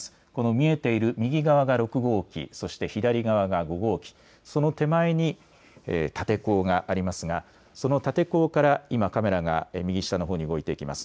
見えている右側が６号機そして左側が５号機その手前に立て坑がありますがその立て坑から今カメラが右下の方に動いていきます。